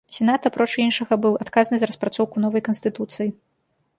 Сенат, апроч іншага, быў адказны за распрацоўку новай канстытуцыі.